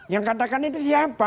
yang katakan itu siapa